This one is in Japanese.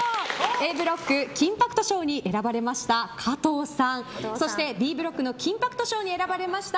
Ａブロック、金パクト賞に選ばれました加藤さんそして、Ｂブロックの金パクト賞に選ばれました